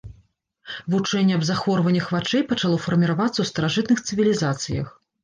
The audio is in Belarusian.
Вучэнне аб захворваннях вачэй пачало фарміравацца ў старажытных цывілізацыях.